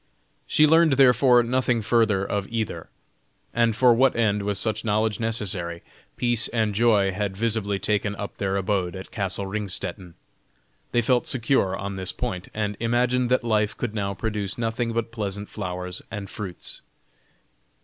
She learned therefore nothing further of either; and for what end was such knowledge necessary? Peace and joy had visibly taken up their abode at castle Ringstetten. They felt secure on this point, and imagined that life could now produce nothing but pleasant flowers and fruits.